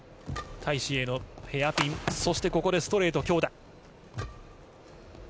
タイ・シエイのヘアピン、そしてここでストレート、強打。